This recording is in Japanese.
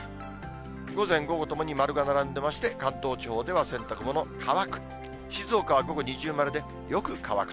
午前、午後ともに丸が並んでまして、関東地方では洗濯物、乾く。